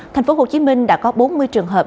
thành phố hồ chí minh đã có bốn mươi trường hợp